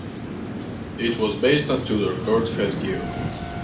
It was based on Tudor Court headgear.